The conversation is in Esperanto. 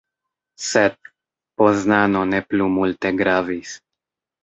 Sed, Poznano ne plu multe gravis.